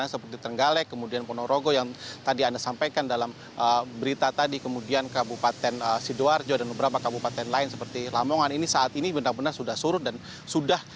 seperti berita tadi kemudian kabupaten sidoarjo dan beberapa kabupaten lain seperti lamongan ini saat ini benar benar sudah surut dan sudah